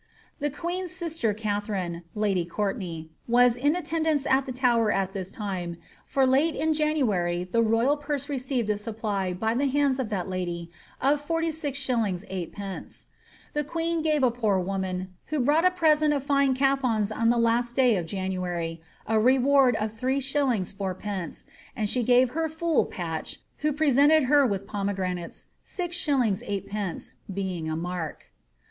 The queen's sister Katharine (lady Courtenay) was in attendance at the Tower at this time, for late in January the royal purse received a supply by the hands of that lady of 46«. 8^. The queen gave a poor woman, who brought a present of fine capons on the last day of Janu ary, a reward of 3s, 4d., and she gave her fool Patch, who presented her with pomegranates, 6«. 8(2.,' being a marc.